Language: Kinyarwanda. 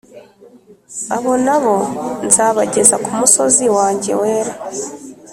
abo nabo nzabageza ku musozi wanjye wera,